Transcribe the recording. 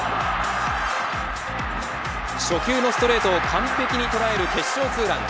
初球のストレートを完璧に捉える決勝ツーラン。